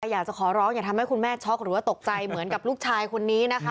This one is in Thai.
อยากจะขอร้องอย่าทำให้คุณแม่ช็อกหรือว่าตกใจเหมือนกับลูกชายคนนี้นะคะ